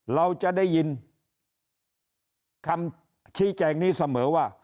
เราจะได้ยินคำชี้แจงนี้เสมอว่า